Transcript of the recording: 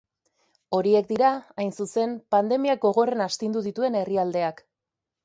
Horiek dira, hain zuzen, pandemiak gogorren astindu dituen herrialdeak.